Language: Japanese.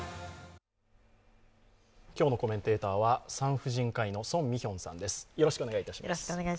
今日のコメンテーターは産婦人科医の宋美玄さんです。